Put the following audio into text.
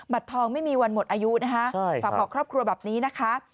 ทองไม่มีวันหมดอายุนะคะฝากบอกครอบครัวแบบนี้นะคะ